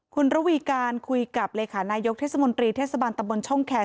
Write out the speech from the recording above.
คุณระวีการคุยกับรนทศตะบนช่องแค้น